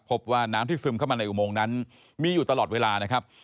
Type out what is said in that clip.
พบว่าน้ำที่ซึมเข้ามาในอุโมงนั้นมีอยู่ตลอดเวลานะครับ